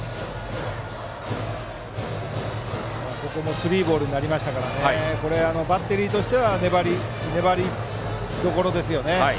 スリーボールになったのでバッテリーとしては粘りどころですよね。